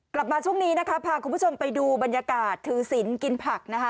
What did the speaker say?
กลับมาช่วงนี้พาคุณผู้ชมไปดูบรรยากาศถือสินกินผัก